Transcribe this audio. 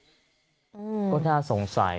ก็น่าสงสัย